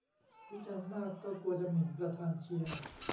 วิจารณ์มากก็กลัวจะหมิ่นประธานเชียร์